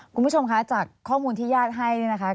คุณผู้ชมคะจากข้อมูลที่ญาติให้เนี่ยนะคะ